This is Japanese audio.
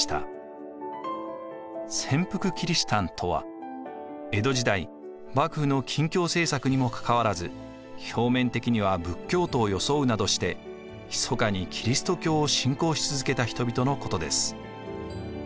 潜伏キリシタンとは江戸時代幕府の禁教政策にも関わらず表面的には仏教徒を装うなどしてひそかにキリスト教を信仰し続けた人々のことです。